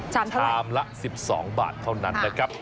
ชามละ๑๒บาทเท่านั้นนะครับ